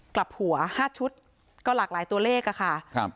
กลับหัว๕ชุดก็หลากหลายตัวเลขอะค่ะครับ